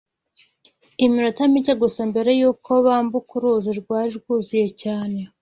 Iminota mike gusa mbere y’uko bambuka uruzi rwari rwuzuye cyane